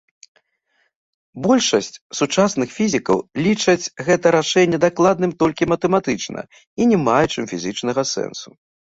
Большасць сучасных фізікаў лічаць гэта рашэнне дакладным толькі матэматычна і не маючым фізічнага сэнсу.